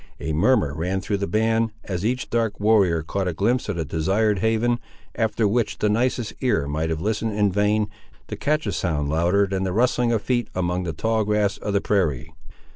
A murmur ran through the band, as each dark warrior caught a glimpse of the desired haven, after which the nicest ear might have listened in vain, to catch a sound louder than the rustling of feet among the tall grass of the prairie.